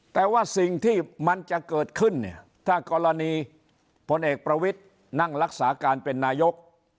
แต่ว่าสิ่งที่มันจะเกิดขึ้นเนี่ยถ้ากรณีพลเอกประวิทย์นั่งรักษาการเป็นนายก